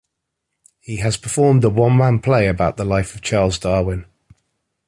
He has performed a one-man play about the life of Charles Darwin.